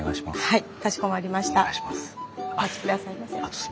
はい。